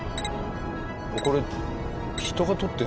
これ人が撮ってる？